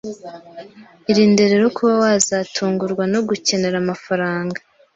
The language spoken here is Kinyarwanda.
Irinde rero kuba wazatungurwa no gucyenera amafaranga